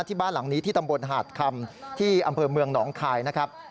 บ้านหลังนี้ที่ตำบลหาดคำที่อำเภอเมืองหนองคายนะครับ